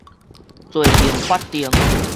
罪刑法定